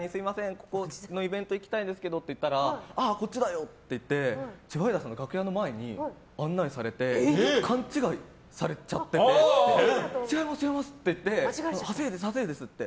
ここのイベント行きたいんですけどって言ったらこっちだよって言って千葉雄大さんの楽屋の前に案内されて勘違いされちゃってて違います、違いますって言ってはせゆうですって。